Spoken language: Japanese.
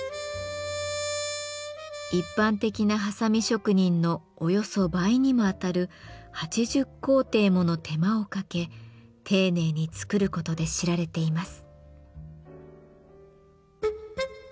一般的なはさみ職人のおよそ倍にも当たる８０工程もの手間をかけ丁寧に作ることで知られています。